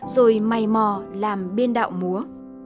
rồi mày mò làm biên đạo múa